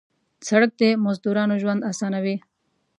سړک د مزدورانو ژوند اسانوي.